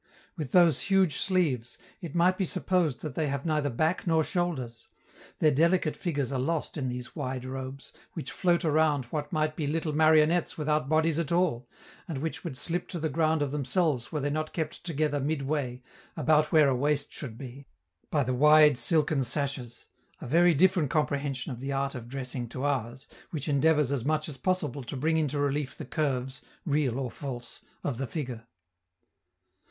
With those huge sleeves, it might be supposed they have neither back nor shoulders; their delicate figures are lost in these wide robes, which float around what might be little marionettes without bodies at all, and which would slip to the ground of themselves were they not kept together midway, about where a waist should be, by the wide silken sashes a very different comprehension of the art of dressing to ours, which endeavors as much as possible to bring into relief the curves, real or false, of the figure.